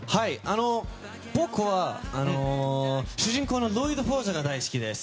僕は主人公のロイド・フォージャーが大好きです。